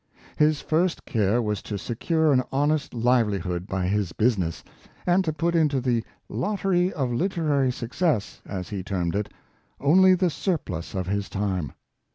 His first care was to secure an honest live lihood by his business, and to put into the " lottery of literary success," as he termed it, only the surplus of his time.